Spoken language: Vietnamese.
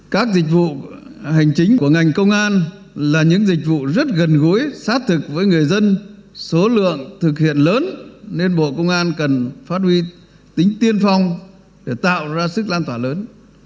các dịch vụ hành chính của ngành công an là những dịch vụ rất gần gối sát thực với người dân số lượng thực hiện lớn nên bộ công an cần phát huy tính tiên phong để tạo ra sức lan tỏa lớn